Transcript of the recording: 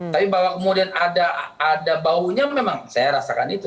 tapi bahwa kemudian ada baunya memang saya rasakan itu